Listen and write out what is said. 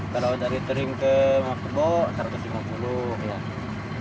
kalau dari tering ke mabukun